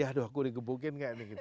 ya aduh aku dikebukin kayak gitu